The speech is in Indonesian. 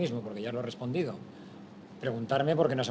bisa kita bermain di bagian pada di salam